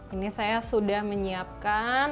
ini saya sudah menyiapkan